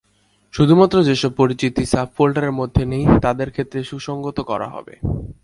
শুধুমাত্র যেসব পরিচিতি সাবফোল্ডারের মধ্যে নেই তাদের ক্ষেত্রে সুসংগত করা হবে।